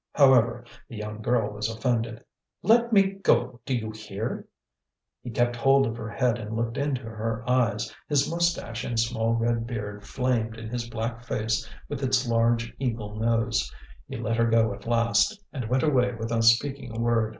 However, the young girl was offended. "Let me go, do you hear?" He kept hold of her head and looked into her eyes. His moustache and small red beard flamed in his black face with its large eagle nose. He let her go at last, and went away without speaking a word.